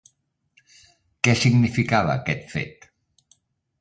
Què significava aquest fet?